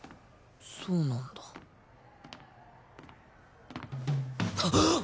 そうなんだ。